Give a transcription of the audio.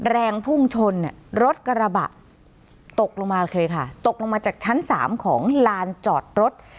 แรงพุ่งชนรถกระบะตกลงมาเลยค่ะตกลงมาจากชั้น๓ของลานจอดรถ